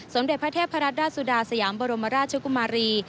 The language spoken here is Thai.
สมเด็จพระเทพรัตดาสุดาสยามบรมราชกุมารี